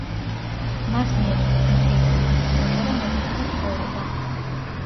მას მიეძღვნა მიხეილ გლინკას ოპერა მეფისთვის ცხოვრება.